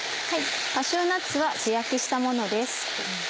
カシューナッツは素焼きしたものです。